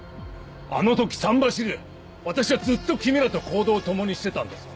あの時桟橋で私はずっと君らと行動を共にしてたんだぞ。